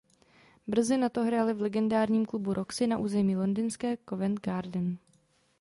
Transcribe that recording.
Brzy nato hráli v legendárním klubu Roxy na území Londýnské Covent Garden.